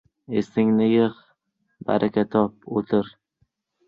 — Esingni yig‘! Baraka top, o‘tir!